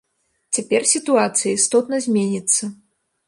Цяпер сітуацыя істотна зменіцца.